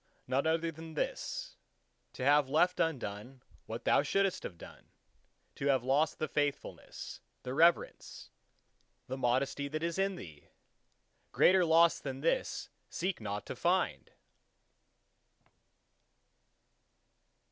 None other than this: To have left undone what thou shouldst have done: to have lost the faithfulness, the reverence, the modesty that is in thee! Greater loss than this seek not to find!